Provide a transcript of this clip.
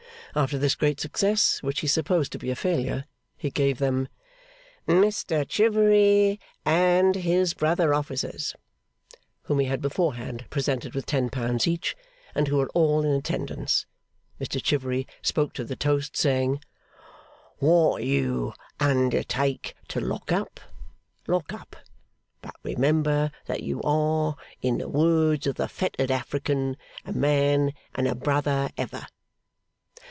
After this great success, which he supposed to be a failure, he gave them 'Mr Chivery and his brother officers;' whom he had beforehand presented with ten pounds each, and who were all in attendance. Mr Chivery spoke to the toast, saying, What you undertake to lock up, lock up; but remember that you are, in the words of the fettered African, a man and a brother ever.